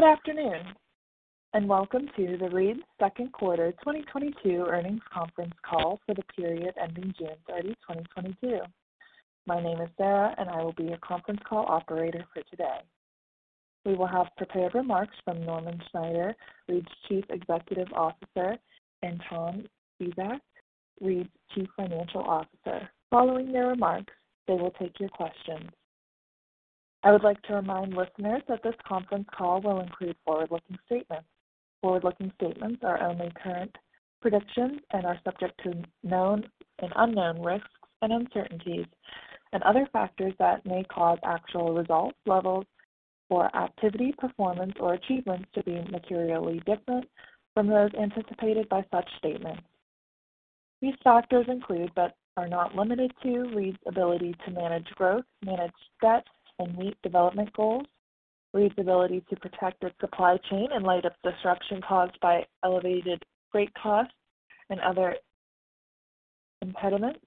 Good afternoon, and welcome to the Reed's second quarter 2022 earnings conference call for the period ending June 30, 2022. My name is Sarah, and I will be your conference call operator for today. We will have prepared remarks from Norman Snyder, Reed's Chief Executive Officer, and Tom Spisak, Reed's Chief Financial Officer. Following their remarks, they will take your questions. I would like to remind listeners that this conference call will include forward-looking statements. Forward-looking statements are only current predictions and are subject to known and unknown risks and uncertainties and other factors that may cause actual results, levels, or activity, performance, or achievements to be materially different from those anticipated by such statements. These factors include, but are not limited to, Reed's ability to manage growth, manage debt, and meet development goals, Reed's ability to protect its supply chain in light of disruption caused by elevated freight costs and other impediments,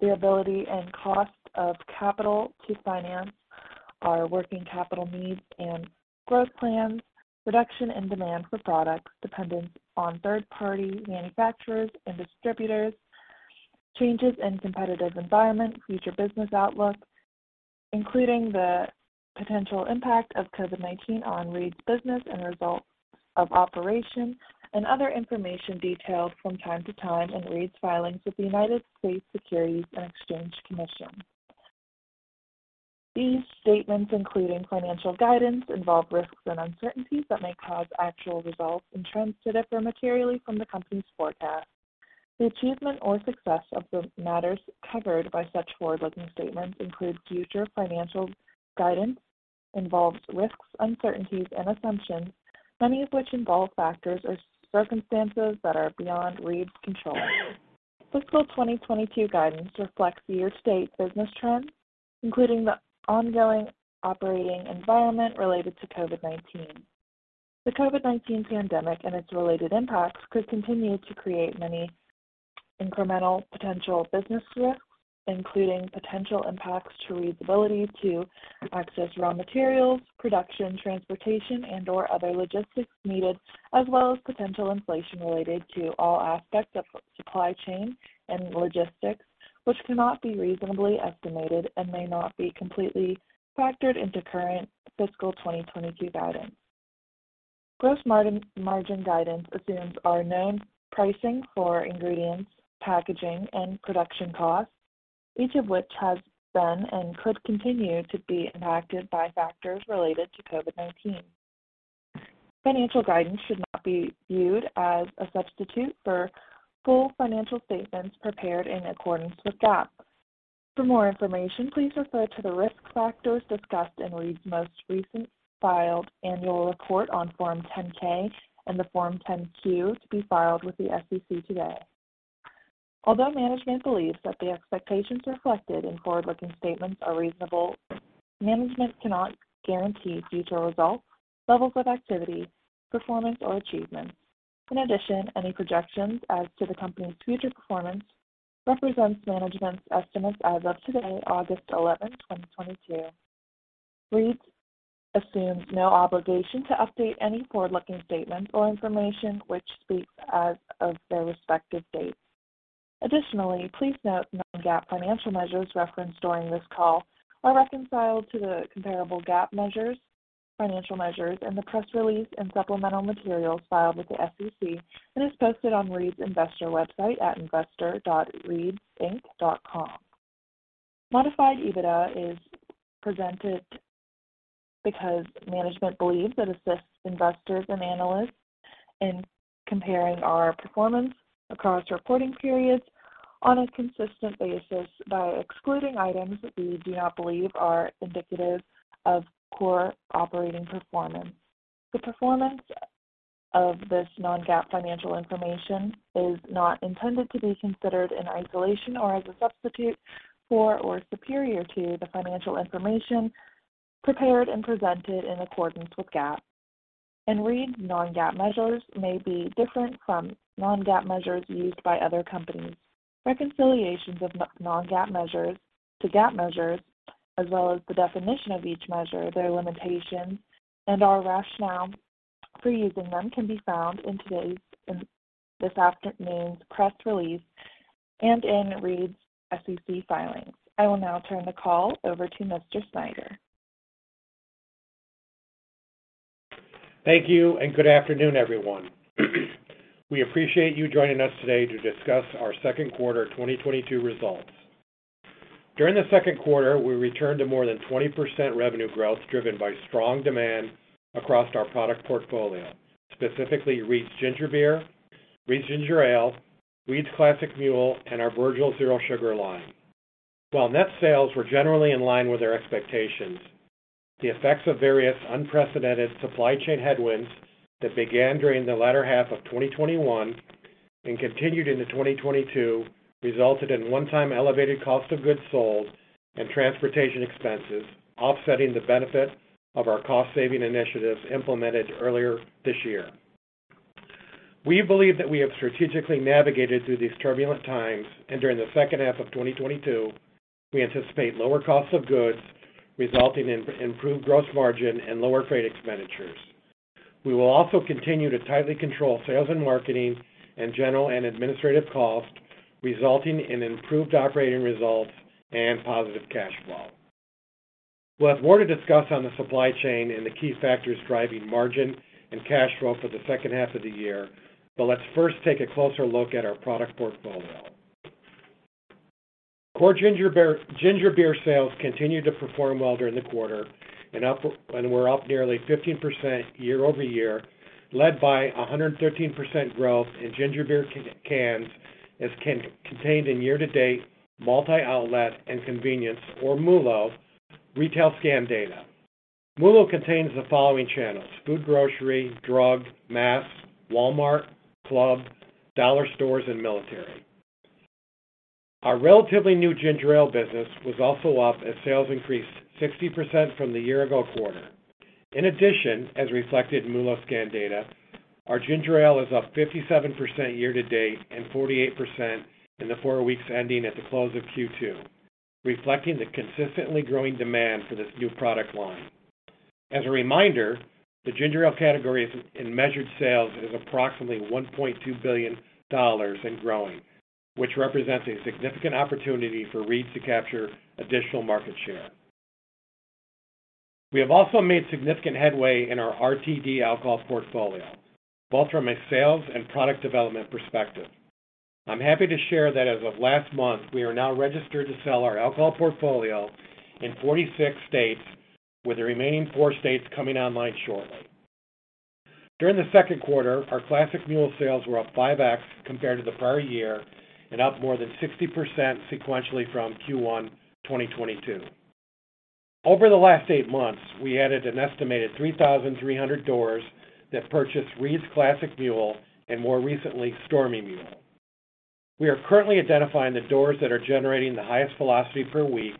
the availability and cost of capital to finance our working capital needs and growth plans, reduction in demand for products dependent on third-party manufacturers and distributors, changes in competitive environment, future business outlook, including the potential impact of COVID-19 on Reed's business and results of operations, and other information detailed from time to time in Reed's filings with the United States Securities and Exchange Commission. These statements, including financial guidance, involve risks and uncertainties that may cause actual results and trends to differ materially from the company's forecasts. The achievement or success of the matters covered by such forward-looking statements include future financial guidance, involves risks, uncertainties, and assumptions, many of which involve factors or circumstances that are beyond Reed's control. Fiscal 2022 guidance reflects year-to-date business trends, including the ongoing operating environment related to COVID-19. The COVID-19 pandemic and its related impacts could continue to create many incremental potential business risks, including potential impacts to Reed's ability to access raw materials, production, transportation, and/or other logistics needed, as well as potential inflation related to all aspects of supply chain and logistics, which cannot be reasonably estimated and may not be completely factored into current fiscal 2022 guidance. Gross margin guidance assumes our known pricing for ingredients, packaging, and production costs, each of which has been and could continue to be impacted by factors related to COVID-19. Financial guidance should not be viewed as a substitute for full financial statements prepared in accordance with GAAP. For more information, please refer to the risk factors discussed in Reed's most recent filed annual report on Form 10-K and the Form 10-Q to be filed with the SEC today. Although management believes that the expectations reflected in forward-looking statements are reasonable, management cannot guarantee future results, levels of activity, performance, or achievements. In addition, any projections as to the company's future performance represents management's estimates as of today, August 11, 2022. Reed's assumes no obligation to update any forward-looking statements or information which speaks as of their respective dates. Additionally, please note non-GAAP financial measures referenced during this call are reconciled to the comparable GAAP measures, financial measures in the press release and supplemental materials filed with the SEC and is posted on Reed's investor website at investor.reedsinc.com. Modified EBITDA is presented because management believes it assists investors and analysts in comparing our performance across reporting periods on a consistent basis by excluding items we do not believe are indicative of core operating performance. The performance of this non-GAAP financial information is not intended to be considered in isolation or as a substitute for or superior to the financial information prepared and presented in accordance with GAAP. Reed's non-GAAP measures may be different from non-GAAP measures used by other companies. Reconciliations of non-GAAP measures to GAAP measures as well as the definition of each measure, their limitations, and our rationale for using them can be found in this afternoon's press release and in Reed's SEC filings. I will now turn the call over to Mr. Snyder. Thank you and good afternoon, everyone. We appreciate you joining us today to discuss our second quarter 2022 results. During the second quarter, we returned to more than 20% revenue growth driven by strong demand across our product portfolio, specifically Reed's Ginger Beer, Reed's Ginger Ale, Reed's Classic Mule, and our Virgil's Zero Sugar line. While net sales were generally in line with our expectations, the effects of various unprecedented supply chain headwinds that began during the latter half of 2021 and continued into 2022 resulted in one-time elevated cost of goods sold and transportation expenses, offsetting the benefit of our cost-saving initiatives implemented earlier this year. We believe that we have strategically navigated through these turbulent times, and during the second half of 2022, we anticipate lower costs of goods, resulting in improved gross margin and lower freight expenditures. We will also continue to tightly control sales and marketing and general and administrative costs, resulting in improved operating results and positive cash flow. We'll have more to discuss on the supply chain and the key factors driving margin and cash flow for the second half of the year, but let's first take a closer look at our product portfolio. Core ginger beer sales continued to perform well during the quarter and were up nearly 15% year-over-year, led by 113% growth in ginger beer cans, as contained in year-to-date, multi-outlet and convenience, or MULO, retail scan data. MULO contains the following channels, food grocery, drug, mass, Walmart, club, dollar stores, and military. Our relatively new ginger ale business was also up as sales increased 60% from the year-ago quarter. In addition, as reflected in MULO scan data, our ginger ale is up 57% year-to-date and 48% in the four weeks ending at the close of Q2, reflecting the consistently growing demand for this new product line. As a reminder, the ginger ale category in measured sales is approximately $1.2 billion and growing, which represents a significant opportunity for Reed's to capture additional market share. We have also made significant headway in our RTD alcohol portfolio, both from a sales and product development perspective. I'm happy to share that as of last month, we are now registered to sell our alcohol portfolio in 46 states, with the remaining four states coming online shortly. During the second quarter, our Classic Mule sales were up 5x compared to the prior year and up more than 60% sequentially from Q1 2022. Over the last eight months, we added an estimated 3,300 doors that purchased Reed's Classic Mule and more recently, Stormy Mule. We are currently identifying the doors that are generating the highest velocity per week,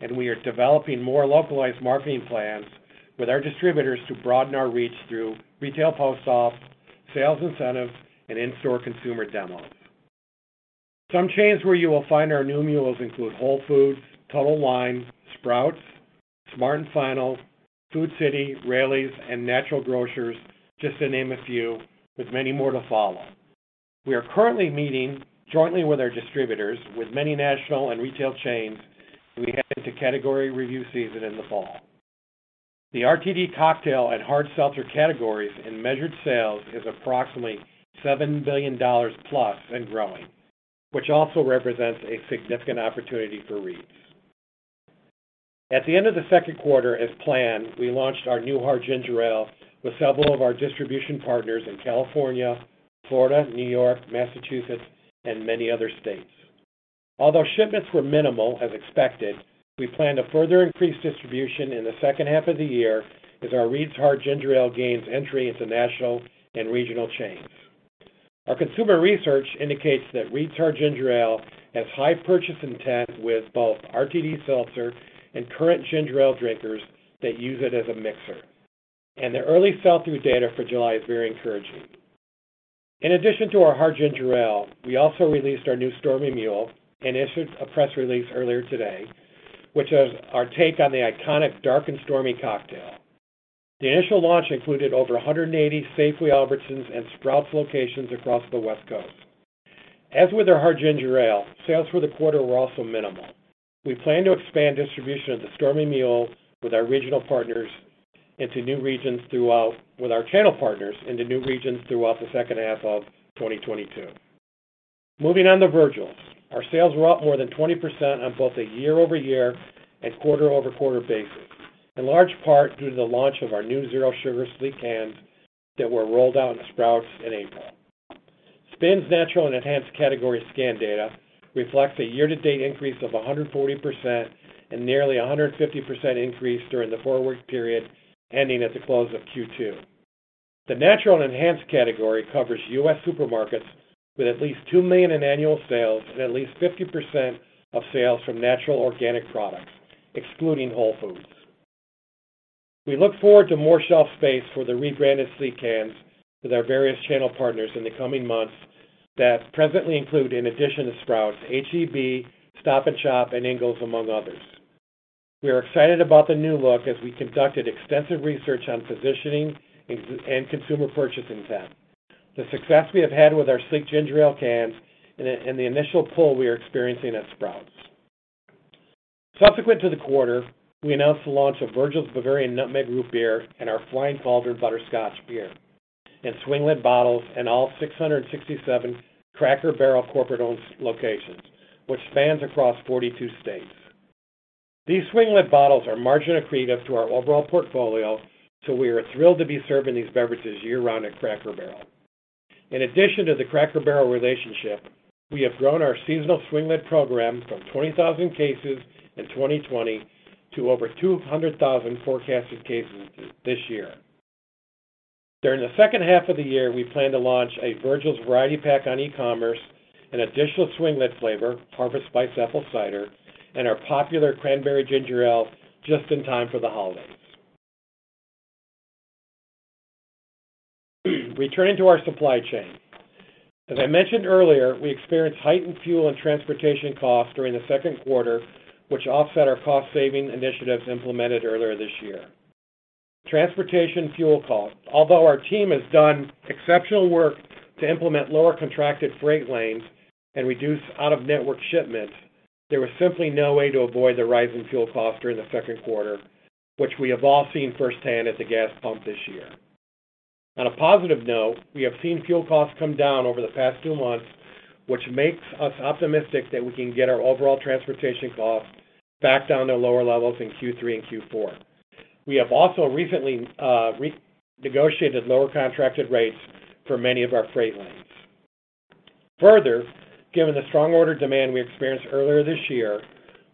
and we are developing more localized marketing plans with our distributors to broaden our reach through retail post-ops, sales incentives, and in-store consumer demos. Some chains where you will find our new mules include Whole Foods, Total Wine, Sprouts, Smart & Final, Food City, Raley's, and Natural Grocers, just to name a few, with many more to follow. We are currently meeting jointly with our distributors, with many national and retail chains, as we head into category review season in the fall. The RTD cocktail and hard seltzer categories in measured sales is approximately $7 billion+ and growing, which also represents a significant opportunity for Reed's. At the end of the second quarter, as planned, we launched our new Hard Ginger Ale with several of our distribution partners in California, Florida, New York, Massachusetts, and many other states. Although shipments were minimal, as expected, we plan to further increase distribution in the second half of the year as our Reed's Hard Ginger Ale gains entry into national and regional chains. Our consumer research indicates that Reed's Hard Ginger Ale has high purchase intent with both RTD seltzer and current ginger ale drinkers that use it as a mixer. The early sell-through data for July is very encouraging. In addition to our Hard Ginger Ale, we also released our new Stormy Mule and issued a press release earlier today, which is our take on the iconic Dark and Stormy cocktail. The initial launch included over 180 Safeway, Albertsons, and Sprouts locations across the West Coast. As with our Hard Ginger Ale, sales for the quarter were also minimal. We plan to expand distribution of the Stormy Mule with our channel partners into new regions throughout the second half of 2022. Moving on to Virgil's. Our sales were up more than 20% on both a year-over-year and quarter-over-quarter basis, in large part due to the launch of our new zero sugar sleek cans that were rolled out in Sprouts in April. SPINS's natural and enhanced category scan data reflects a year-to-date increase of 140% and nearly 150% increase during the four-week period ending at the close of Q2. The natural and enhanced category covers U.S. supermarkets with at least $2 million in annual sales and at least 50% of sales from natural organic products, excluding Whole Foods. We look forward to more shelf space for the rebranded Sleek cans with our various channel partners in the coming months that presently include, in addition to Sprouts, H-E-B, Stop & Shop, and Ingles, among others. We are excited about the new look as we conducted extensive research on positioning and consumer purchase intent. The success we have had with our Sleek Ginger Ale cans and the initial pull we are experiencing at Sprouts. Subsequent to the quarter, we announced the launch of Virgil's Bavarian Nutmeg Root Beer and our Flying Cauldron Butterscotch Beer in swing lid bottles in all 667 Cracker Barrel corporate-owned locations, which spans across 42 states. These swing lid bottles are margin accretive to our overall portfolio, so we are thrilled to be serving these beverages year-round at Cracker Barrel. In addition to the Cracker Barrel relationship, we have grown our seasonal swing lid program from 20,000 cases in 2020 to over 200,000 forecasted cases this year. During the second half of the year, we plan to launch a Virgil's variety pack on e-commerce, an additional swing lid flavor, Harvest Spiced Apple Cider, and our popular Cranberry Ginger Ale just in time for the holidays. Returning to our supply chain. As I mentioned earlier, we experienced heightened fuel and transportation costs during the second quarter, which offset our cost-saving initiatives implemented earlier this year. Transportation fuel costs. Although our team has done exceptional work to implement lower contracted freight lanes and reduce out-of-network shipments, there was simply no way to avoid the rise in fuel costs during the second quarter, which we have all seen firsthand at the gas pump this year. On a positive note, we have seen fuel costs come down over the past two months, which makes us optimistic that we can get our overall transportation costs back down to lower levels in Q3 and Q4. We have also recently re-negotiated lower contracted rates for many of our freight lanes. Further, given the strong order demand we experienced earlier this year,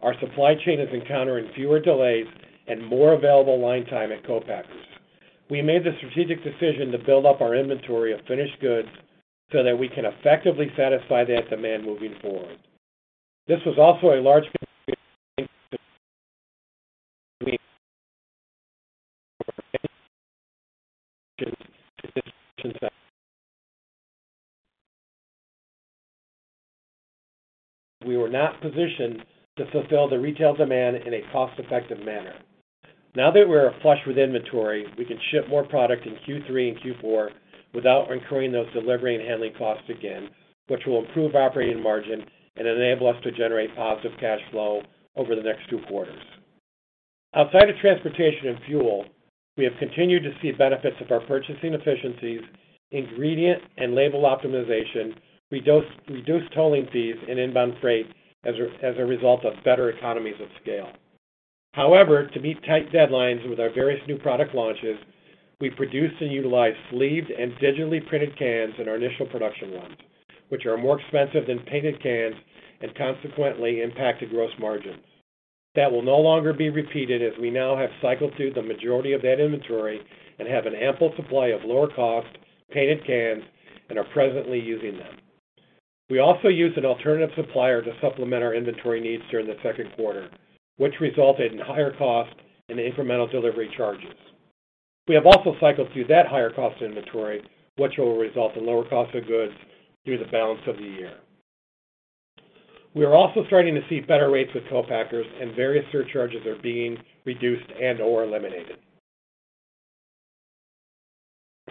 our supply chain is encountering fewer delays and more available line time at co-packers. We made the strategic decision to build up our inventory of finished goods so that we can effectively satisfy that demand moving forward. This was also a large contributor. We were not positioned to fulfill the retail demand in a cost-effective manner. Now that we're flush with inventory, we can ship more product in Q3 and Q4 without incurring those delivery and handling costs again, which will improve operating margin and enable us to generate positive cash flow over the next two quarters. Outside of transportation and fuel, we have continued to see benefits of our purchasing efficiencies, ingredient and labor optimization, reduced tolling fees, and inbound freight as a result of better economies of scale. However, to meet tight deadlines with our various new product launches, we produced and utilized sleeved and digitally printed cans in our initial production runs, which are more expensive than painted cans and consequently impacted gross margins. That will no longer be repeated, as we now have cycled through the majority of that inventory and have an ample supply of lower cost painted cans and are presently using them. We also used an alternative supplier to supplement our inventory needs during the second quarter, which resulted in higher costs and incremental delivery charges. We have also cycled through that higher cost inventory, which will result in lower cost of goods through the balance of the year. We are also starting to see better rates with co-packers, and various surcharges are being reduced and/or eliminated.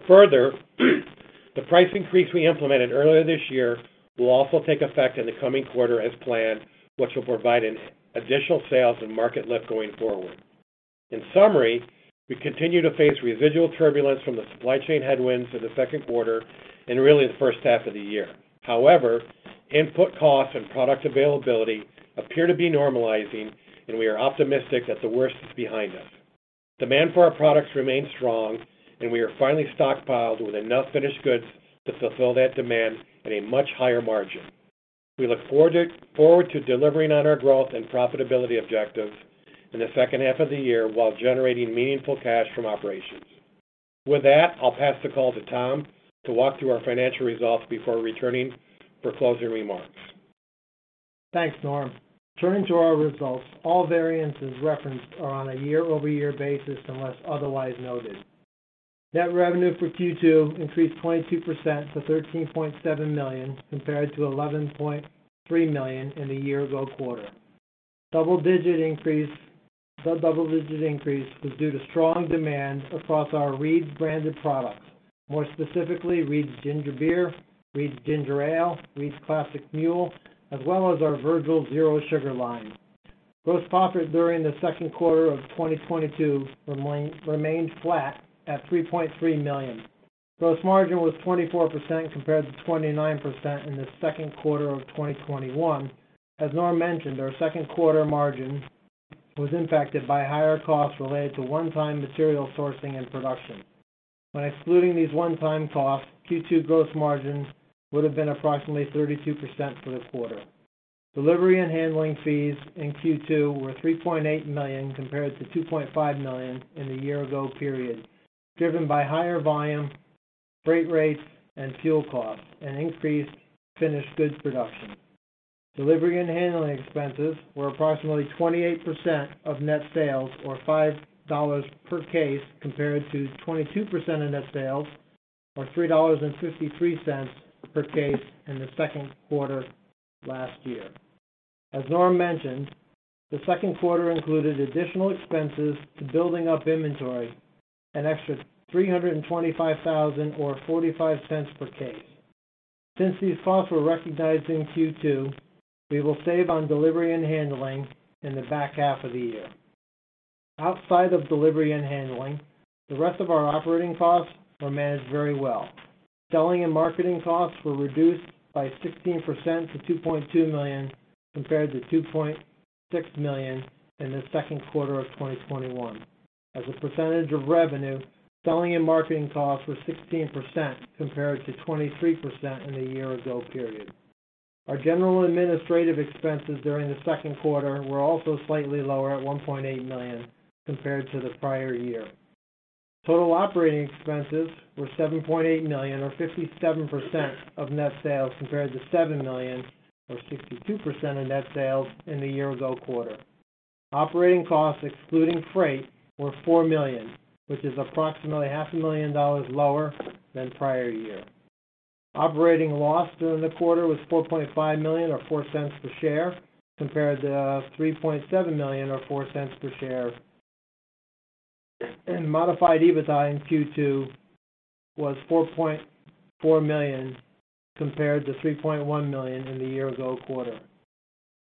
Further, the price increase we implemented earlier this year will also take effect in the coming quarter as planned, which will provide an additional sales and market lift going forward. In summary, we continue to face residual turbulence from the supply chain headwinds in the second quarter and really the first half of the year. However, input costs and product availability appear to be normalizing, and we are optimistic that the worst is behind us. Demand for our products remains strong, and we are finally stockpiled with enough finished goods to fulfill that demand at a much higher margin. We look forward to delivering on our growth and profitability objectives in the second half of the year while generating meaningful cash from operations. With that, I'll pass the call to Tom to walk through our financial results before returning for closing remarks. Thanks, Norm. Turning to our results, all variances referenced are on a year-over-year basis unless otherwise noted. Net revenue for Q2 increased 22% to $13.7 million, compared to $11.3 million in the year-ago quarter. The double-digit increase was due to strong demand across our Reed's branded products. More specifically, Reed's Ginger Beer, Reed's Ginger Ale, Reed's Classic Mule, as well as our Virgil's Zero Sugar line. Gross profit during the second quarter of 2022 remained flat at $3.3 million. Gross margin was 24% compared to 29% in the second quarter of 2021. As Norm mentioned, our second quarter margin was impacted by higher costs related to one-time material sourcing and production. When excluding these one-time costs, Q2 gross margins would have been approximately 32% for the quarter. Delivery and handling fees in Q2 were $3.8 million compared to $2.5 million in the year-ago period, driven by higher volume, freight rates, and fuel costs, and increased finished goods production. Delivery and handling expenses were approximately 28% of net sales, or $5 per case, compared to 22% of net sales, or $3.53 per case in the second quarter last year. As Norm mentioned, the second quarter included additional expenses to building up inventory, an extra $325,000 or $0.45 per case. Since these costs were recognized in Q2, we will save on delivery and handling in the back half of the year. Outside of delivery and handling, the rest of our operating costs were managed very well. Selling and marketing costs were reduced by 16% to $2.2 million, compared to $2.6 million in the second quarter of 2021. As a percentage of revenue, selling and marketing costs were 16%, compared to 23% in the year-ago period. Our general and administrative expenses during the second quarter were also slightly lower at $1.8 million compared to the prior year. Total operating expenses were $7.8 million or 57% of net sales compared to $7 million or 62% of net sales in the year ago quarter. Operating costs excluding freight were $4 million, which is approximately half a million dollars lower than prior year. Operating loss during the quarter was $4.5 million or $0.04 per share compared to $3.7 million or $0.04 per share. Modified EBITDA in Q2 was $4.4 million compared to $3.1 million in the year ago quarter.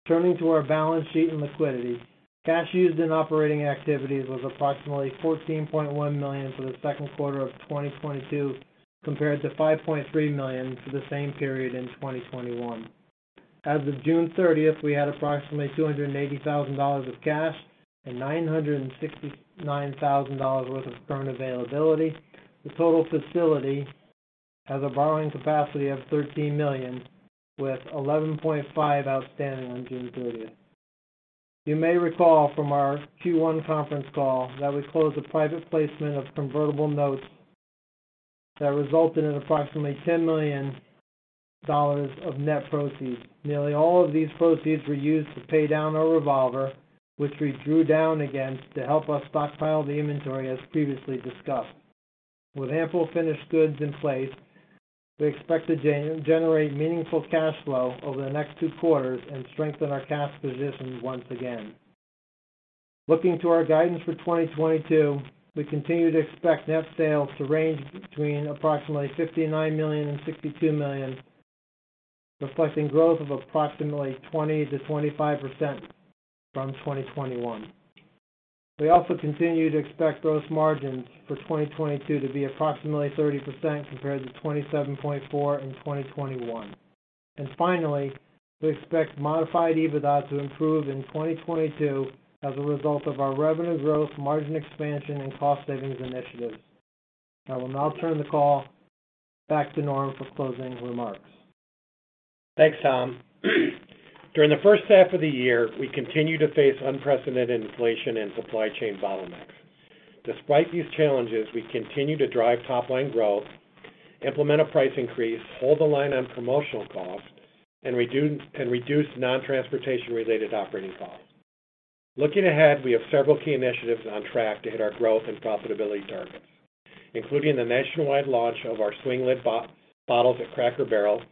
Turning to our balance sheet and liquidity. Cash used in operating activities was approximately $14.1 million for the second quarter of 2022 compared to $5.3 million for the same period in 2021. As of June 30, we had approximately $280,000 of cash and $969,000 worth of current availability. The total facility has a borrowing capacity of $13 million with $11.5 million outstanding on June 30. You may recall from our Q1 conference call that we closed a private placement of convertible notes that resulted in approximately $10 million of net proceeds. Nearly all of these proceeds were used to pay down our revolver, which we drew down against to help us stockpile the inventory as previously discussed. With ample finished goods in place, we expect to generate meaningful cash flow over the next two quarters and strengthen our cash position once again. Looking to our guidance for 2022, we continue to expect net sales to range between approximately $59 million and $62 million, reflecting growth of approximately 20%-25% from 2021. We also continue to expect gross margins for 2022 to be approximately 30% compared to 27.4% in 2021. Finally, we expect modified EBITDA to improve in 2022 as a result of our revenue growth, margin expansion, and cost savings initiatives. I will now turn the call back to Norm for closing remarks. Thanks, Tom. During the first half of the year, we continued to face unprecedented inflation and supply chain bottlenecks. Despite these challenges, we continue to drive top line growth, implement a price increase, hold the line on promotional costs, and reduce non-transportation related operating costs. Looking ahead, we have several key initiatives on track to hit our growth and profitability targets, including the nationwide launch of our swing lid bottles at Cracker Barrel,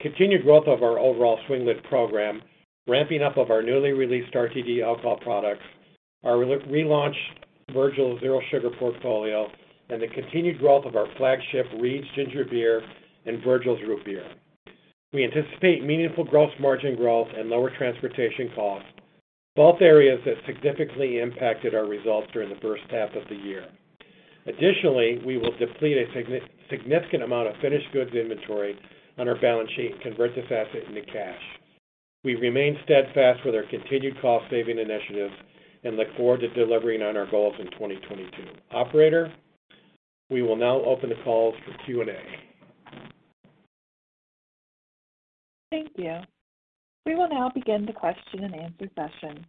continued growth of our overall swing lid program, ramping up of our newly released RTD alcohol products, our relaunched Virgil's Zero Sugar portfolio, and the continued growth of our flagship Reed's Ginger Beer and Virgil's Root Beer. We anticipate meaningful gross margin growth and lower transportation costs, both areas that significantly impacted our results during the first half of the year. Additionally, we will deplete a significant amount of finished goods inventory on our balance sheet and convert this asset into cash. We remain steadfast with our continued cost saving initiatives and look forward to delivering on our goals in 2022. Operator, we will now open the call for Q&A. Thank you. We will now begin the question and answer session.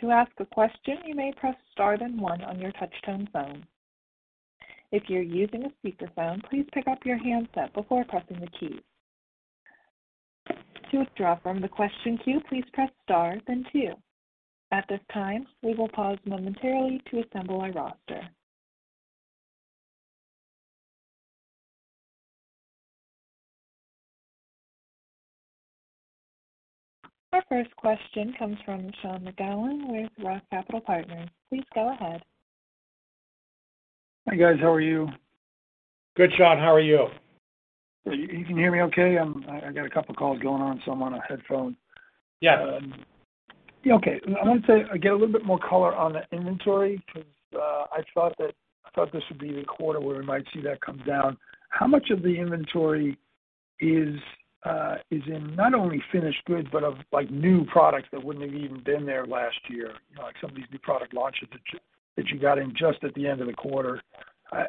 To ask a question, you may press star then one on your touch tone phone. If you're using a speakerphone, please pick up your handset before pressing the key. To withdraw from the question queue, please press star then two. At this time, we will pause momentarily to assemble our roster. Our first question comes from Sean McGowan with ROTH Capital Partners. Please go ahead. Hi, guys. How are you? Good, Sean. How are you? You can hear me okay? I got a couple calls going on, so I'm on headphones. Yeah. Yeah, okay. Get a little bit more color on the inventory because I thought this would be the quarter where we might see that come down. How much of the inventory is in not only finished goods, but of, like, new products that wouldn't have even been there last year, like some of these new product launches that you got in just at the end of the quarter.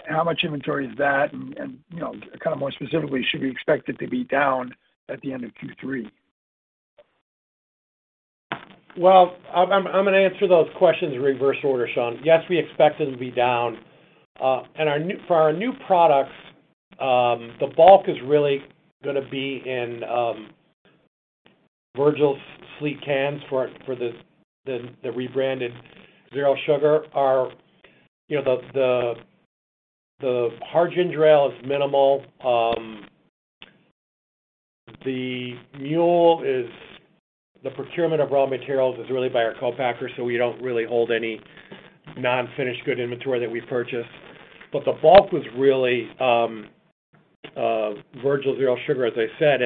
How much inventory is that? You know, kind of more specifically, should we expect it to be down at the end of Q3? Well, I'm gonna answer those questions in reverse order, Sean. Yes, we expect it to be down. For our new products, the bulk is really gonna be in Virgil's sleek cans for the rebranded Zero Sugar. Our, you know, the Hard Ginger Ale is minimal. The Mule is the procurement of raw materials is really by our co-packer, so we don't really hold any non-finished good inventory that we purchase. The bulk was really Virgil's Zero Sugar, as I said.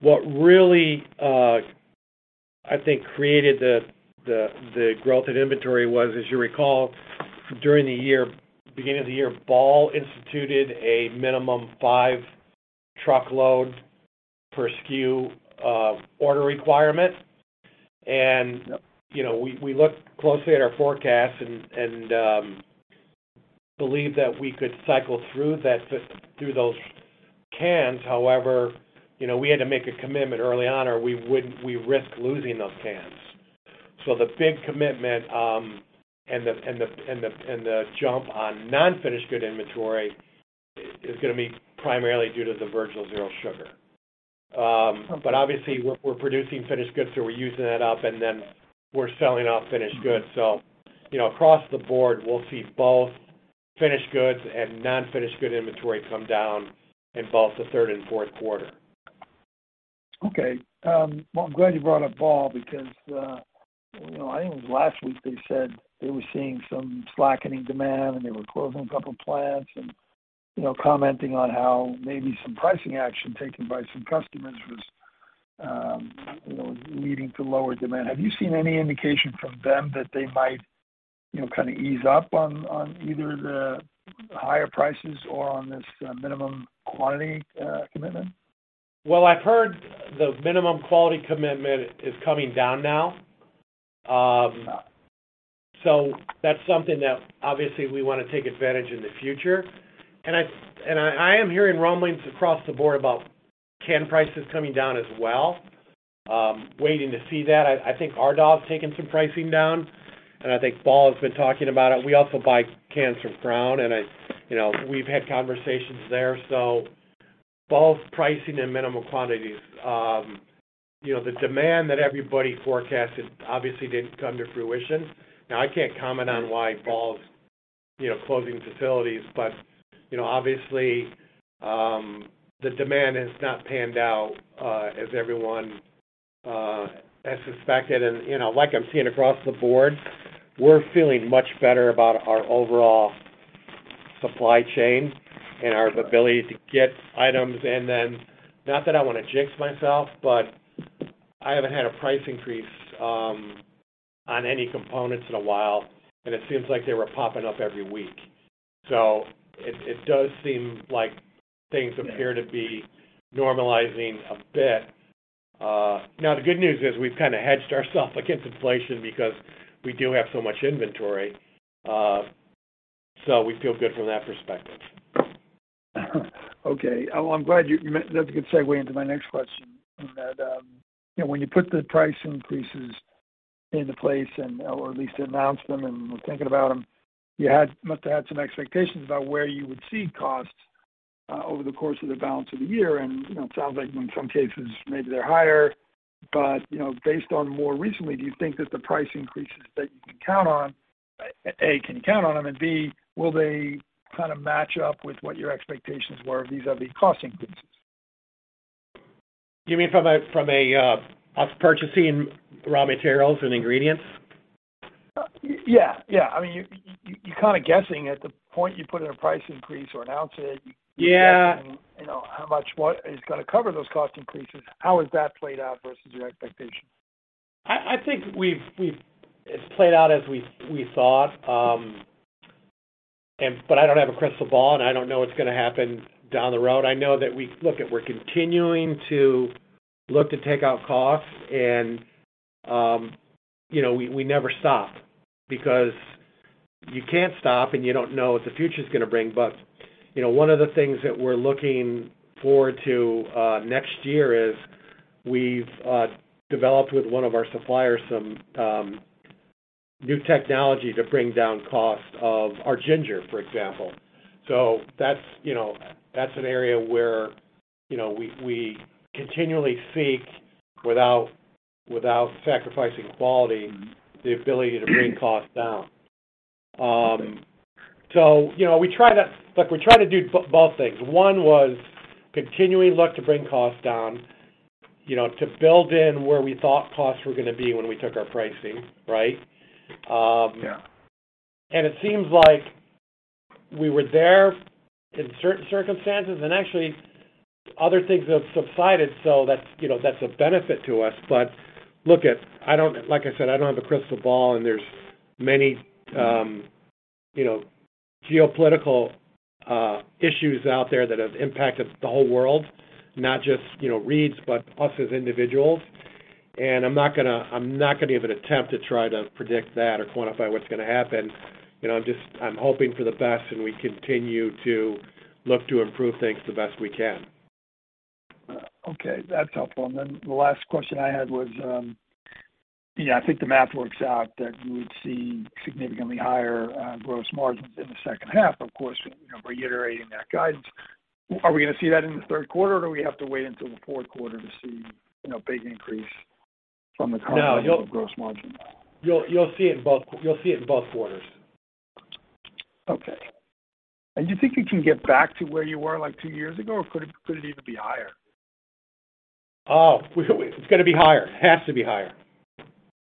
What really I think created the growth in inventory was, as you recall, during the year, beginning of the year, Ball instituted a minimum five truckload per SKU order requirement. You know, we looked closely at our forecast and believed that we could cycle through that, through those cans. However, you know, we had to make a commitment early on or we would risk losing those cans. The big commitment and the jump on non-finished goods inventory is going to be primarily due to the Virgil's Zero Sugar. Obviously, we're producing finished goods, so we're using that up, and then we're selling off finished goods. You know, across the board, we'll see both finished goods and non-finished goods inventory come down in both the third and fourth quarter. Okay. I'm glad you brought up Ball because, you know, I think it was last week, they said they were seeing some slackening demand, and they were closing a couple plants and, you know, commenting on how maybe some pricing action taken by some customers was, you know, leading to lower demand. Have you seen any indication from them that they might, you know, kind of ease up on either the higher prices or on this minimum quantity commitment? Well, I've heard the minimum quantity commitment is coming down now. That's something that obviously we wanna take advantage in the future. I am hearing rumblings across the board about can prices coming down as well. Waiting to see that. I think Ardagh's taken some pricing down, and I think Ball has been talking about it. We also buy cans from Crown, and you know, we've had conversations there. Ball's pricing and minimum quantities. You know, the demand that everybody forecasted obviously didn't come to fruition. Now, I can't comment on why Ball's, you know, closing facilities, but, you know, obviously, the demand has not panned out, as everyone has expected. You know, like I'm seeing across the board, we're feeling much better about our overall supply chain and our ability to get items in then. Not that I wanna jinx myself, but I haven't had a price increase on any components in a while, and it seems like they were popping up every week. It does seem like things appear to be normalizing a bit. Now the good news is we've kinda hedged ourself against inflation because we do have so much inventory, so we feel good from that perspective. That's a good segue into my next question, in that, you know, when you put the price increases into place and, or at least announced them and were thinking about them, you must have had some expectations about where you would see costs, over the course of the balance of the year. You know, it sounds like in some cases maybe they're higher. You know, based on more recently, do you think that the price increases that you can count on, A, can you count on them, and B, will they kind of match up with what your expectations were vis-à-vis cost increases? You mean from us purchasing raw materials and ingredients? Yeah. I mean, you kinda guessing at the point you put in a price increase or announce it. Yeah You're guessing, you know, how much, what is gonna cover those cost increases. How has that played out versus your expectation? I think it's played out as we thought. I don't have a crystal ball, and I don't know what's gonna happen down the road. I know that. Look, if we're continuing to look to take out costs and, you know, we never stop because you can't stop, and you don't know what the future's gonna bring. You know, one of the things that we're looking forward to next year is we've developed with one of our suppliers some new technology to bring down cost of our ginger, for example. That's an area where, you know, we continually seek without sacrificing quality. Mm-hmm the ability to bring costs down. You know, look, we try to do both things. One was continually look to bring costs down, you know, to build in where we thought costs were gonna be when we took our pricing. Right? Yeah. It seems like we were there in certain circumstances and actually other things have subsided. That's, you know, a benefit to us. Look at, I don't, like I said, have a crystal ball, and there's many, you know, geopolitical issues out there that have impacted the whole world, not just, you know, Reed's, but us as individuals. I'm not gonna even attempt to try to predict that or quantify what's gonna happen. You know, I'm just, I'm hoping for the best, and we continue to look to improve things the best we can. Okay. That's helpful. The last question I had was, yeah, I think the math works out that you would see significantly higher gross margins in the second half. Of course, you know, reiterating that guidance. Are we gonna see that in the third quarter, or do we have to wait until the fourth quarter to see, you know, big increase from the- No, you'll- Gross margin? You'll see it in both quarters. Okay. Do you think you can get back to where you were, like, two years ago, or could it even be higher? Oh, it's gonna be higher. It has to be higher.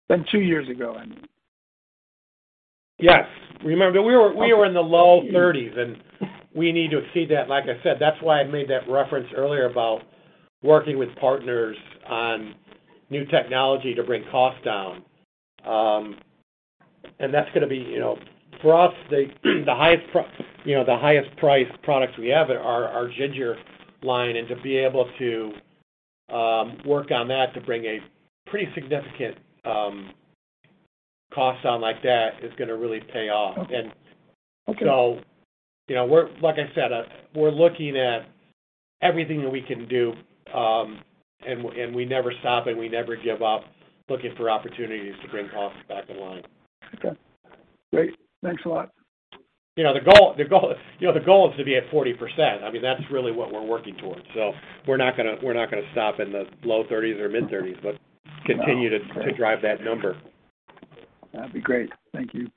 Than two years ago, I mean. Yes. Remember, we were in the low 30s, and we need to see that. Like I said, that's why I made that reference earlier about working with partners on new technology to bring costs down. That's gonna be, you know, for us, the highest priced products we have are our ginger line and to be able to work on that to bring a pretty significant cost down like that is gonna really pay off. Okay. And- Okay. You know, like I said, we're looking at everything that we can do, and we never stop, and we never give up looking for opportunities to bring costs back in line. Okay, great. Thanks a lot. You know, the goal is to be at 40%. I mean, that's really what we're working towards. We're not gonna stop in the low 30s or mid-30s. No Continue to drive that number. That'd be great. Thank you.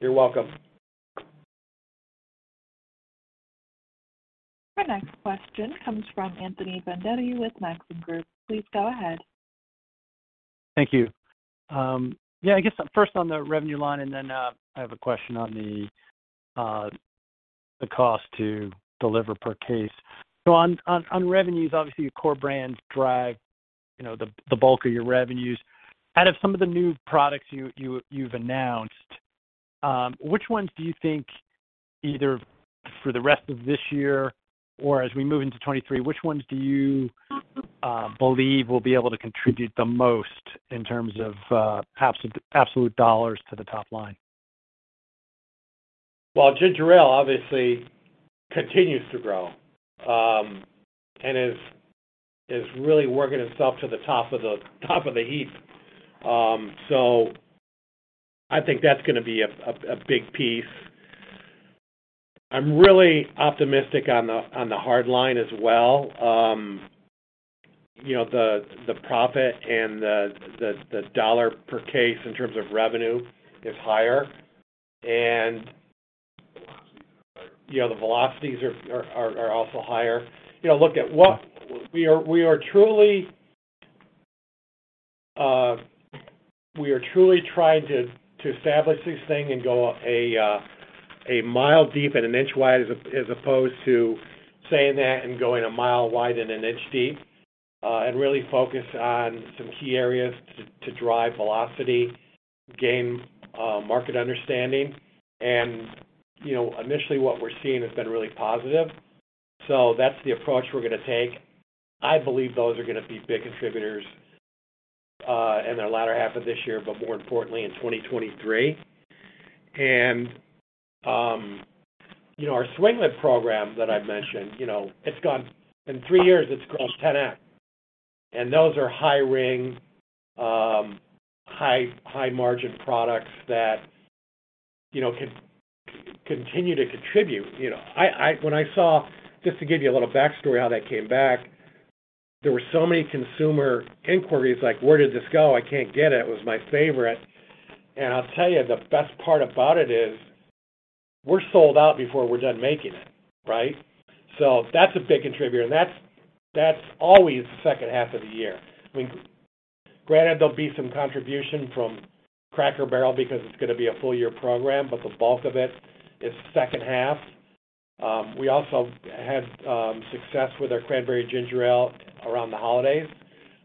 You're welcome. Our next question comes from Anthony Vendetti with Maxim Group. Please go ahead. Thank you. Yeah, I guess first on the revenue line, and then, I have a question on the cost to deliver per case. On revenues, obviously, your core brands drive, you know, the bulk of your revenues. Out of some of the new products you've announced, which ones do you think, either for the rest of this year or as we move into 2023, which ones do you believe will be able to contribute the most in terms of absolute dollars to the top line? Well, ginger ale obviously continues to grow, and is really working itself to the top of the heap. I think that's gonna be a big piece. I'm really optimistic on the hard line as well. You know, the profit and the dollar per case in terms of revenue is higher. You know, the velocities are also higher. You know, look at what we are truly trying to establish this thing and go a mile deep and an inch wide as opposed to saying that and going a mile wide and an inch deep, and really focus on some key areas to drive velocity, gain market understanding. You know, initially, what we're seeing has been really positive. That's the approach we're gonna take. I believe those are gonna be big contributors in the latter half of this year, but more importantly in 2023. You know, our swing lid program that I've mentioned, you know, in three years, it's grown 10x. Those are high ring high margin products that, you know, can continue to contribute, you know. Just to give you a little backstory how that came back, there were so many consumer inquiries like, "Where did this go? I can't get it. It was my favorite." I'll tell you, the best part about it is we're sold out before we're done making it, right? That's a big contributor, and that's always the second half of the year. I mean, granted, there'll be some contribution from Cracker Barrel because it's gonna be a full year program, but the bulk of it is second half. We also had success with our Cranberry Ginger Ale around the holidays,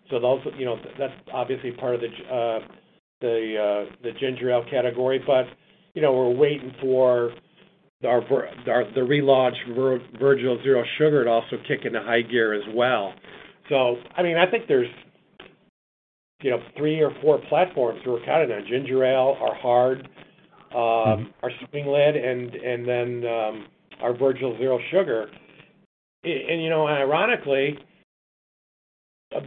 so those. You know, that's obviously part of the ginger ale category. You know, we're waiting for the relaunched Virgil's Zero Sugar to also kick into high gear as well. I mean, I think there's you know three or four platforms we're counting on, ginger ale, our Hard, our swing lid, and then our Virgil's Zero Sugar. And you know, ironically,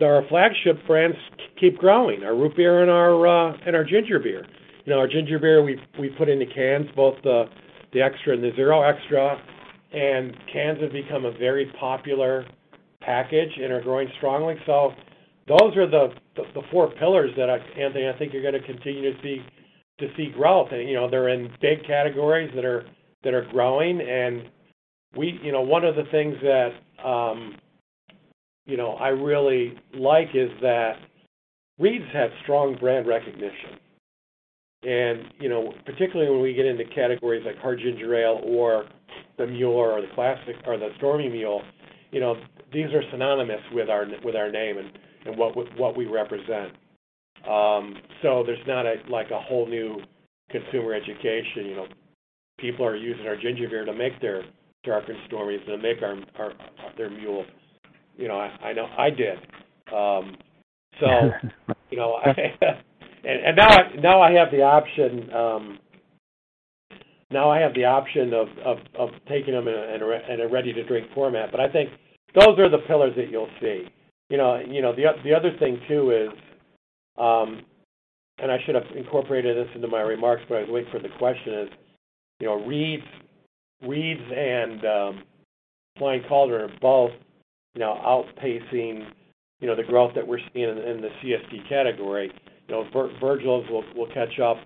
our flagship brands keep growing, our Root Beer and our Ginger Beer. You know, our ginger beer, we put into cans, both the extra and the zero extra, and cans have become a very popular package and are growing strongly. Those are the four pillars that I, Anthony, think you're gonna continue to see growth. You know, they're in big categories that are growing. You know, one of the things that you know, I really like is that Reed's has strong brand recognition. You know, particularly when we get into categories like hard ginger ale or the mule or the classic or the Stormy Mule, you know, these are synonymous with our name and what we represent. So there's not, like, a whole new consumer education. You know, people are using our ginger beer to make their Dark and Stormys and make their mules. You know, I know I did. You know, I now have the option of taking them in a ready-to-drink format. But I think those are the pillars that you'll see. You know, the other thing too is, I should have incorporated this into my remarks, but I waited for the question is, you know, Reed's and Flying Cauldron are both outpacing you know the growth that we're seeing in the CSD category. You know, Virgil's will catch up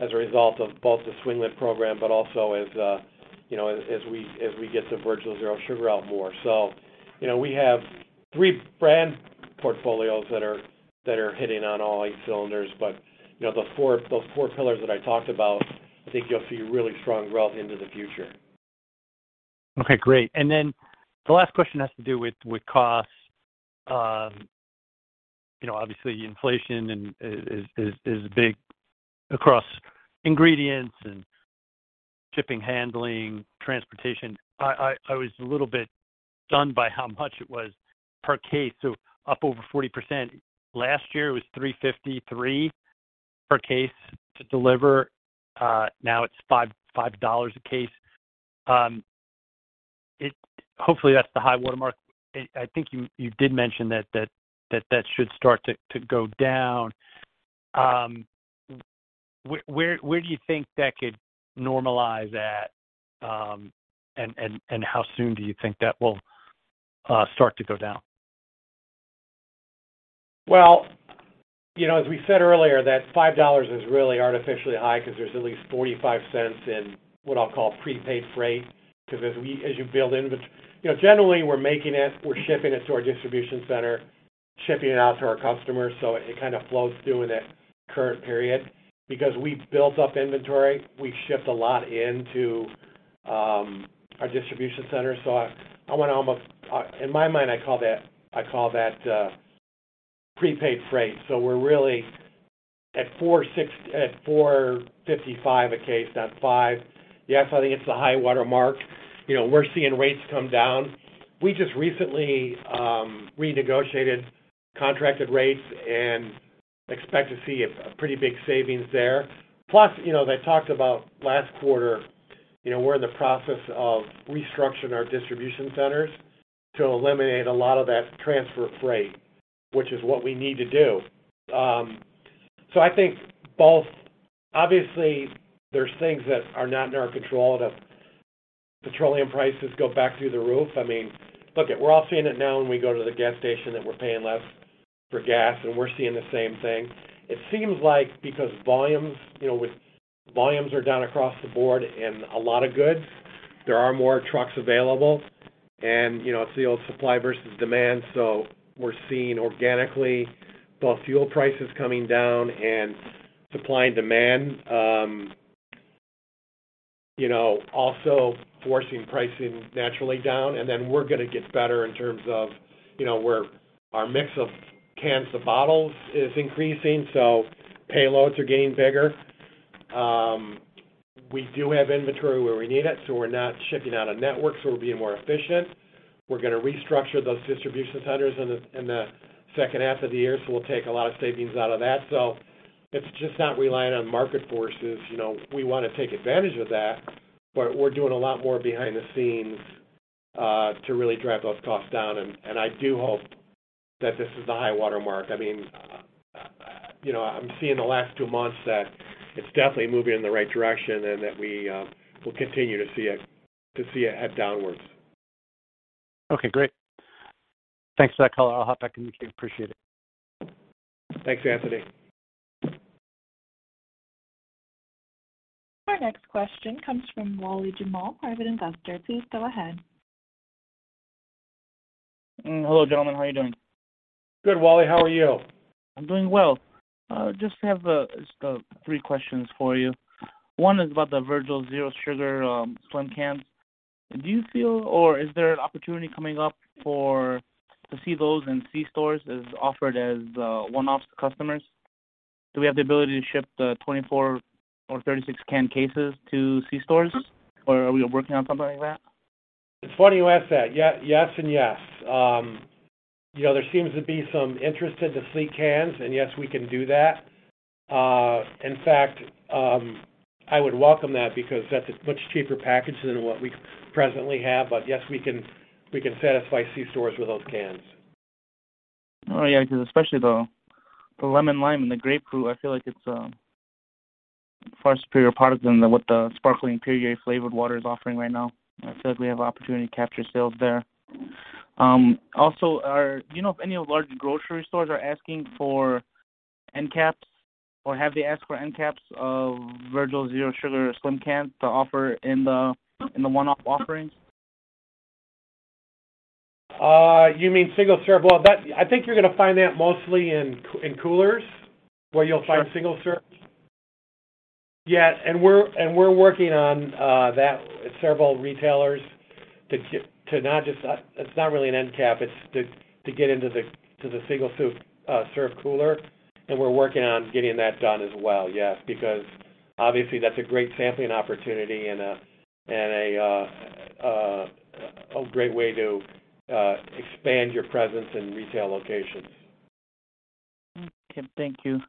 as a result of both the swing lid program, but also as you know, as we get some Virgil's Zero Sugar out more. You know, we have three brand portfolios that are hitting on all eight cylinders. You know, those four pillars that I talked about, I think you'll see really strong growth into the future. Okay, great. The last question has to do with costs. You know, obviously inflation is big across ingredients and shipping, handling, transportation. I was a little bit stunned by how much it was per case, so up over 40%. Last year, it was $3.53 per case to deliver, now it's $5 a case. Hopefully, that's the high watermark. I think you did mention that that should start to go down. Where do you think that could normalize at, and how soon do you think that will start to go down? Well, you know, as we said earlier that $5 is really artificially high 'cause there's at least $0.45 in what I'll call prepaid freight 'cause You know, generally, we're making it, we're shipping it to our distribution center, shipping it out to our customers, so it kind of flows through in that current period. Because we've built up inventory, we've shipped a lot into our distribution center, so I wanna almost in my mind I call that prepaid freight. We're really at $4.55 a case, not $5. Yes, I think it's the high watermark. You know, we're seeing rates come down. We just recently renegotiated contracted rates and expect to see a pretty big savings there. You know, they talked about last quarter, you know, we're in the process of restructuring our distribution centers to eliminate a lot of that transfer freight, which is what we need to do. So I think both. Obviously, there's things that are not in our control that if petroleum prices go back through the roof, I mean. Look, we're all seeing it now when we go to the gas station that we're paying less for gas, and we're seeing the same thing. It seems like because volumes, you know, volumes are down across the board in a lot of goods, there are more trucks available and, you know, it's the old supply versus demand. So we're seeing organically both fuel prices coming down and supply and demand, you know, also forcing pricing naturally down. We're gonna get better in terms of, you know, where our mix of cans to bottles is increasing, so payloads are getting bigger. We do have inventory where we need it, so we're not shipping across the network, so we're being more efficient. We're gonna restructure those distribution centers in the second half of the year, so we'll take a lot of savings out of that. It's just not relying on market forces. You know, we wanna take advantage of that, but we're doing a lot more behind the scenes to really drive those costs down. I do hope that this is the high watermark. I mean, you know, I'm seeing the last two months that it's definitely moving in the right direction and that we will continue to see it head downwards. Okay, great. Thanks for that color. I'll hop back in the queue. Appreciate it. Thanks, Anthony. Our next question comes from Wally Jamal, Private Investor. Please go ahead. Hello, gentlemen. How are you doing? Good, Wally. How are you? I'm doing well. I just have three questions for you. One is about the Virgil's Zero Sugar slim cans. Do you feel or is there an opportunity coming up for to see those in C stores as offered as one-offs to customers? Do we have the ability to ship the 24 or 36 can cases to C stores, or are we working on something like that? It's funny you ask that. Yes, yes, and yes. You know, there seems to be some interest in the sleek cans, and yes, we can do that. In fact, I would welcome that because that's a much cheaper package than what we presently have. Yes, we can satisfy C stores with those cans. Oh, yeah, 'cause especially the lemon lime and the grapefruit, I feel like it's a far superior product than what the sparkling Perrier flavored water is offering right now. I feel like we have an opportunity to capture sales there. Also, do you know if any of the large grocery stores are asking for end caps or have they asked for end caps of Virgil's Zero Sugar slim cans to offer in the one-off offerings? You mean single serve? Well, I think you're gonna find that mostly in coolers where you'll find single serve. Yeah, and we're working on that with several retailers to not just. It's not really an end cap, it's to get into the single serve cooler, and we're working on getting that done as well. Yes, because obviously that's a great sampling opportunity and a great way to expand your presence in retail locations. Okay, thank you.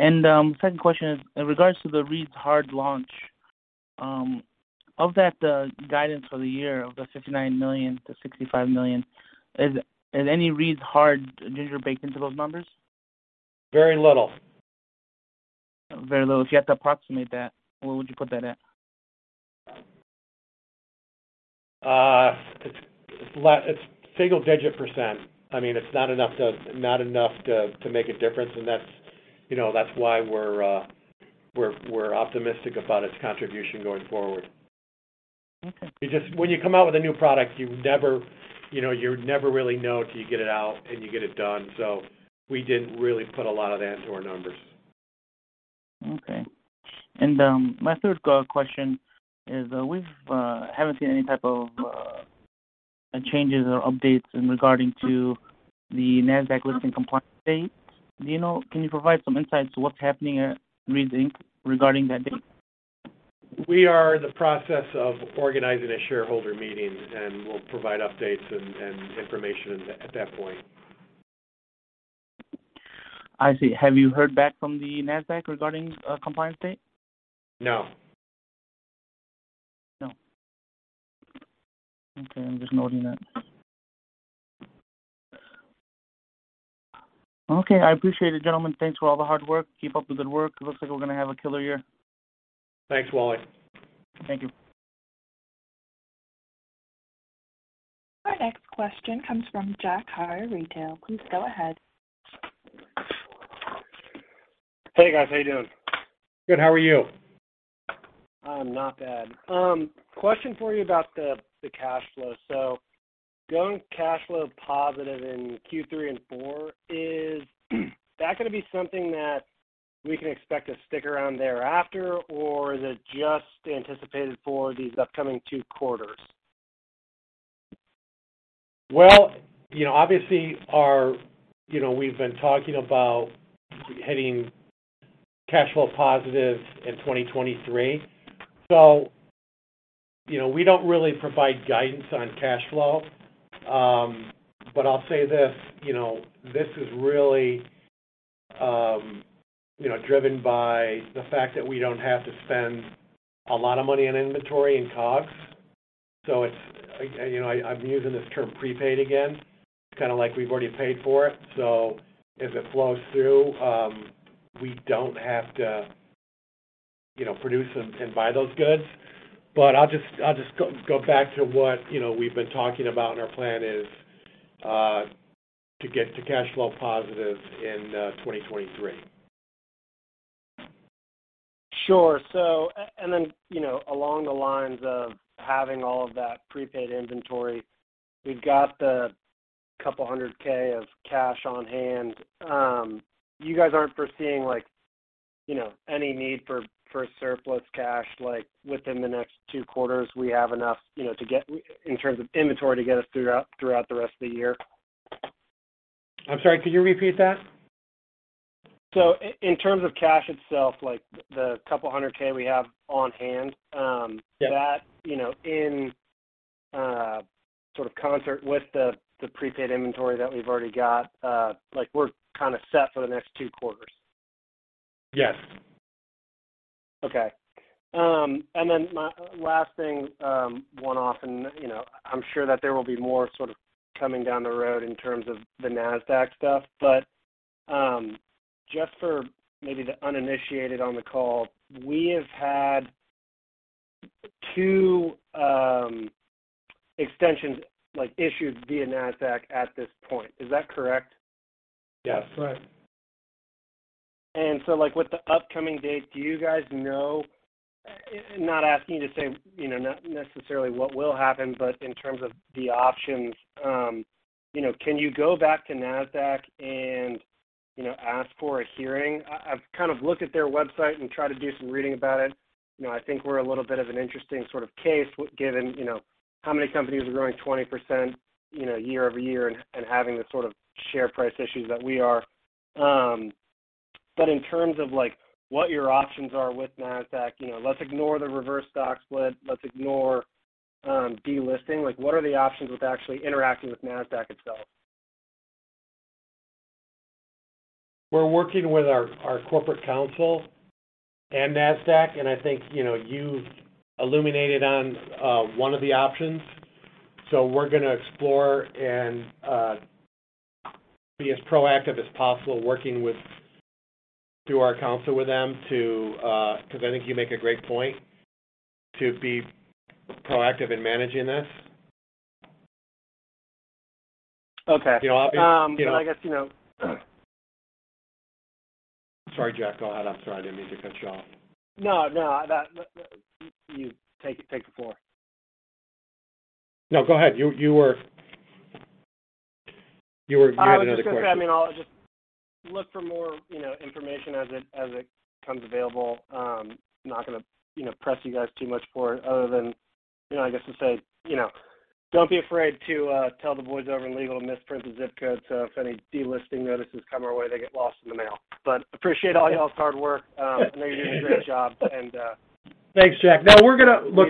Second question is in regards to the Reed's Hard launch. Of that guidance for the year, of the $59 million-$65 million, is any Reed's Hard Ginger baked into those numbers? Very little. Very little. If you had to approximate that, where would you put that at? It's single-digit percent. I mean, it's not enough to make a difference, and that's, you know, that's why we're optimistic about its contribution going forward. Okay. When you come out with a new product, you never, you know, you never really know till you get it out and you get it done. We didn't really put a lot of that into our numbers. My third question is, we haven't seen any type of changes or updates regarding the Nasdaq listing compliance date. Can you provide some insight into what's happening at Reed's, Inc. regarding that date? We are in the process of organizing a shareholder meeting, and we'll provide updates and information at that point. I see. Have you heard back from the Nasdaq regarding compliance date? No. No. Okay, I'm just noting that. Okay, I appreciate it, gentlemen. Thanks for all the hard work. Keep up the good work. It looks like we're gonna have a killer year. Thanks, Wally. Thank you. Our next question comes from Jack Ayers retail. Please go ahead. Hey, guys. How you doing? Good. How are you? I'm not bad. Question for you about the cash flow. Going cash flow positive in Q3 and Q4, is that gonna be something that we can expect to stick around thereafter, or is it just anticipated for these upcoming two quarters? Well, you know, we've been talking about hitting cash flow positive in 2023. You know, we don't really provide guidance on cash flow. I'll say this, you know, this is really, you know, driven by the fact that we don't have to spend a lot of money on inventory and COGS. It's you know, I'm using this term prepaid again, kinda like we've already paid for it. As it flows through, we don't have to, you know, produce and buy those goods. I'll just go back to what, you know, we've been talking about, and our plan is to get to cash flow positive in 2023. Sure. Then, you know, along the lines of having all of that prepaid inventory, we've got $200,000 of cash on hand. You guys aren't foreseeing like, you know, any need for surplus cash like within the next two quarters. We have enough, you know, to get in terms of inventory to get us throughout the rest of the year. I'm sorry, could you repeat that? In terms of cash itself, like the $200K we have on hand, Yeah. That, you know, in sort of concert with the prepaid inventory that we've already got, like we're kinda set for the next two quarters. Yes. Okay. Then my last thing, one-off and, you know, I'm sure that there will be more sort of coming down the road in terms of the Nasdaq stuff. Just for maybe the uninitiated on the call, we have had two extensions like issued via Nasdaq at this point. Is that correct? Yes. Correct. Like with the upcoming date, do you guys know, not asking you to say, you know, necessarily what will happen, but in terms of the options, you know, can you go back to Nasdaq and, you know, ask for a hearing? I've kind of looked at their website and tried to do some reading about it. You know, I think we're a little bit of an interesting sort of case given, you know, how many companies are growing 20%, you know, year-over-year and having the sort of share price issues that we are. But in terms of like what your options are with Nasdaq, you know, let's ignore the reverse stock split, let's ignore delisting. Like, what are the options with actually interacting with Nasdaq itself? We're working with our corporate counsel and Nasdaq, and I think, you know, you illuminated on one of the options. We're gonna explore and be as proactive as possible through our counsel with them to 'cause I think you make a great point, to be proactive in managing this. Okay. You know. Well, I guess, you know. Sorry, Jack. Go ahead. I'm sorry. I didn't mean to cut you off. No. You take the floor. No, go ahead. You were All right. You had another question. I was just gonna say, I mean, I'll just look for more, you know, information as it becomes available. I'm not gonna, you know, press you guys too much for it other than, you know, I guess to say, you know, don't be afraid to tell the boys over in legal to misprint the ZIP code, so if any delisting notices come our way, they get lost in the mail. Appreciate all y'all's hard work. I know you're doing a great job and Thanks, Jack. No, we're gonna look,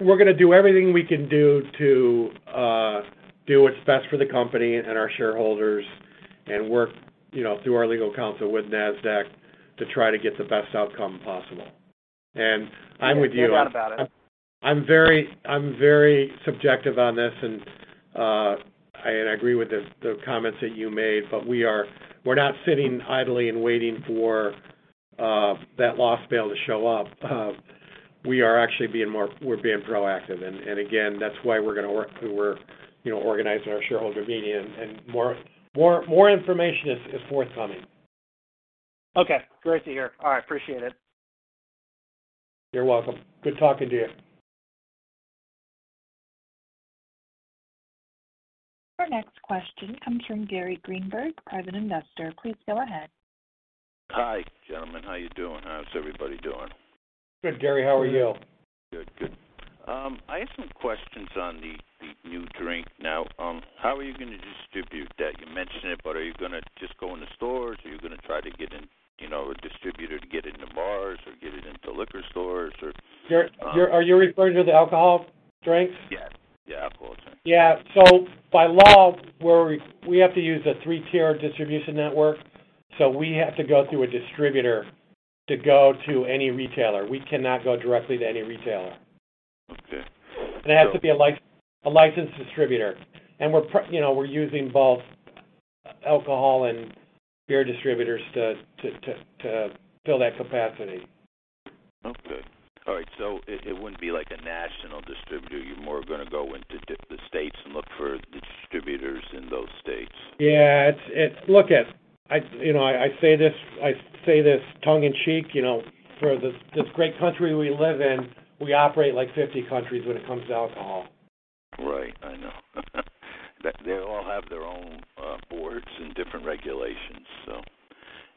we're gonna do everything we can do to do what's best for the company and our shareholders and work, you know, through our legal counsel with Nasdaq to try to get the best outcome possible. I'm with you. No doubt about it. I'm very subjective on this, and I agree with the comments that you made, but we're not sitting idly and waiting for that lost sale to show up. We're actually being more proactive. Again, that's why we're gonna work, you know, organizing our shareholder meeting and more information is forthcoming. Okay. Great to hear. All right. Appreciate it. You're welcome. Good talking to you. Our next question comes from Gary Greenberg, private investor. Please go ahead. Hi, gentlemen. How you doing? How's everybody doing? Good, Gary. How are you? Good, good. I have some questions on the new drink. Now, how are you gonna distribute that? You mentioned it, but are you gonna just go into stores, or you're gonna try to get in, you know, a distributor to get it into bars or get it into liquor stores, or? Are you referring to the alcohol drinks? Yes. The alcohol drinks. Yeah. By law, we have to use a three-tier distribution network, so we have to go through a distributor to go to any retailer. We cannot go directly to any retailer. Okay. It has to be a licensed distributor. You know, we're using both alcohol and beer distributors to fill that capacity. Okay. All right, it wouldn't be like a national distributor. You're more gonna go into the states and look for distributors in those states. Yeah. Look, you know, I say this tongue in cheek, you know, for this great country we live in, we operate like 50 countries when it comes to alcohol. Right. I know. They all have their own boards and different regulations, so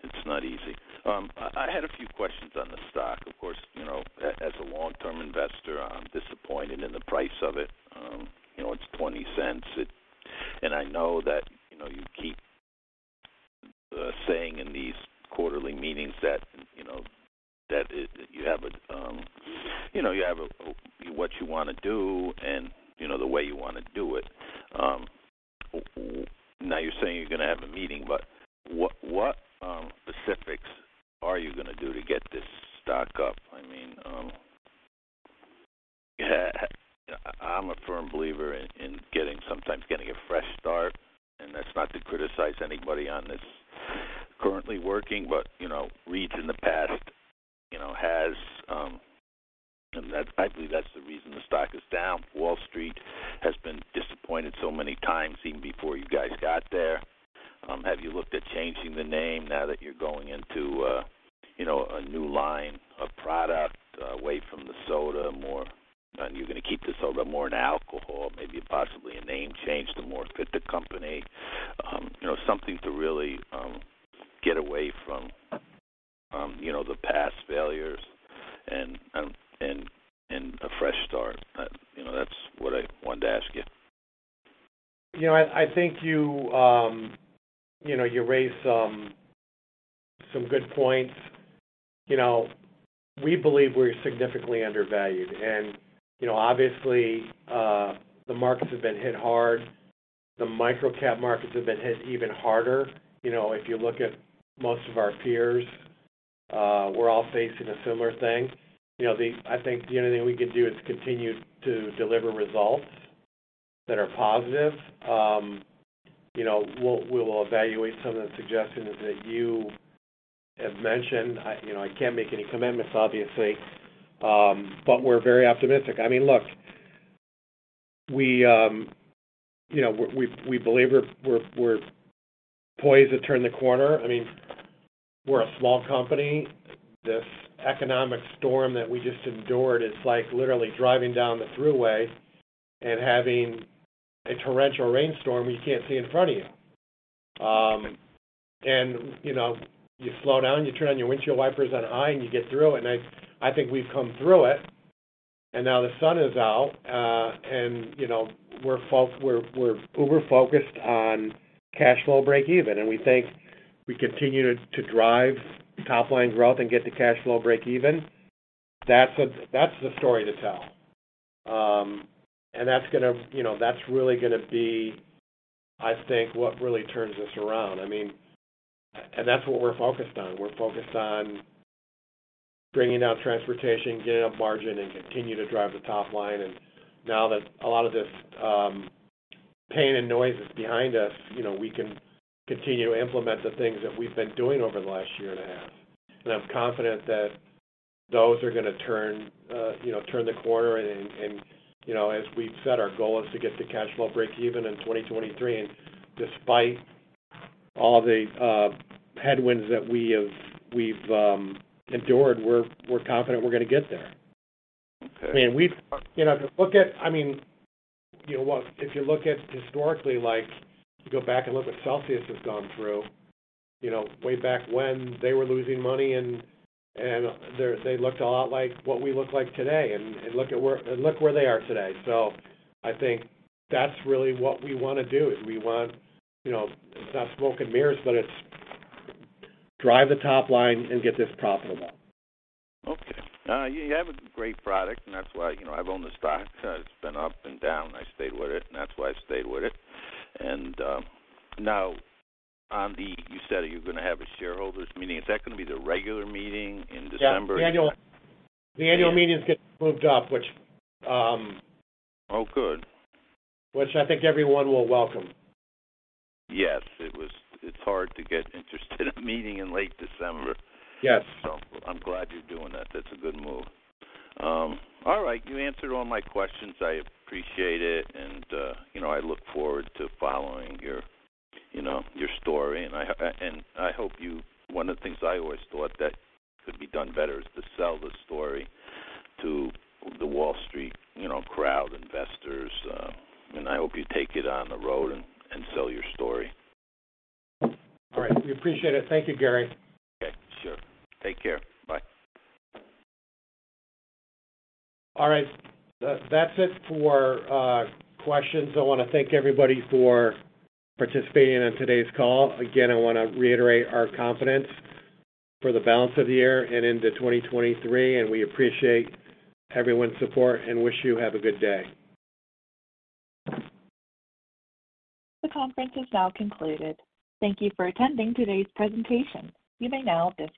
it's not easy. I had a few questions on the stock. Of course, you know, as a long-term investor, I'm disappointed in the price of it. You know, it's $0.20. I know that, you know, you keep saying in these quarterly meetings that, you know, that you have a what you wanna do and, you know, the way you wanna do it. Now you're saying you're gonna have a meeting, but what specifics are you gonna do to get this stock up? I mean, yeah. I'm a firm believer in getting. Sometimes getting a fresh start, and that's not to criticize anybody on this currently working, but you know, Reed's in the past, you know, has and I believe that's the reason the stock is down. Wall Street has been disappointed so many times even before you guys got there. Have you looked at changing the name now that you're going into you know, a new line of product away from the soda more? You're gonna keep the soda more in alcohol, maybe possibly a name change to more fit the company. You know, something to really get away from you know, the past failures and a fresh start. You know, that's what I wanted to ask you. You know, I think you know, you raise some good points. You know, we believe we're significantly undervalued and, you know, obviously, the markets have been hit hard. The microcap markets have been hit even harder. You know, if you look at most of our peers, we're all facing a similar thing. You know, I think the only thing we can do is continue to deliver results that are positive. You know, we'll evaluate some of the suggestions that you have mentioned. You know, I can't make any commitments obviously, but we're very optimistic. I mean, look, you know, we believe we're poised to turn the corner. I mean, we're a small company. This economic storm that we just endured is like literally driving down the thruway and having a torrential rainstorm where you can't see in front of you. You know, you slow down, you turn on your windshield wipers on high, and you get through it. I think we've come through it, and now the sun is out. You know, we're uber focused on cash flow breakeven, and we think we continue to drive top line growth and get to cash flow breakeven. That's the story to tell. That's gonna, you know, that's really gonna be, I think, what really turns us around. I mean, that's what we're focused on. We're focused on bringing down transportation, getting up margin, and continue to drive the top line. Now that a lot of this pain and noise is behind us, you know, we can continue to implement the things that we've been doing over the last year and a half. I'm confident that those are gonna turn the corner, you know, as we've said, our goal is to get to cash flow breakeven in 2023. Despite all the headwinds that we've endured, we're confident we're gonna get there. Okay. I mean, you know what? If you look at historically, like go back and look what Celsius has gone through, you know, way back when they were losing money and they looked a lot like what we look like today and look where they are today. I think that's really what we wanna do, is we want, you know, it's not smoke and mirrors, but it's drive the top line and get this profitable. Okay. You have a great product, and that's why, you know, I've owned the stock. It's been up and down. I stayed with it, and that's why I stayed with it. You said you're gonna have a shareholders meeting. Is that gonna be the regular meeting in December? Yeah. The annual meeting's getting moved up. Oh, good. Which I think everyone will welcome. Yes. It's hard to get interested in a meeting in late December. Yes. I'm glad you're doing that. That's a good move. All right. You answered all my questions. I appreciate it and, you know, I look forward to following your, you know, your story. I hope you. One of the things I always thought that could be done better is to sell the story to the Wall Street, you know, crowd, investors. I hope you take it on the road and sell your story. All right. We appreciate it. Thank you, Gary. Okay. Sure. Take care. Bye. All right. That's it for questions. I wanna thank everybody for participating on today's call. Again, I wanna reiterate our confidence for the balance of the year and into 2023, and we appreciate everyone's support and wish you have a good day. The conference is now concluded. Thank you for attending today's presentation. You may now disconnect.